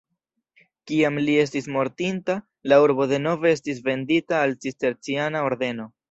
Kiam li estis mortinta, la urbo denove estis vendita al cisterciana ordeno.